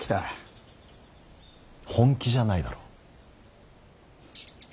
本気じゃないだろ。